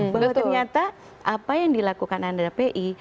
bahwa ternyata apa yang dilakukan anda pi